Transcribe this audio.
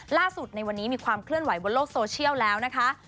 ในวันนี้มีความเคลื่อนไหวบนโลกโซเชียลแล้วนะคะ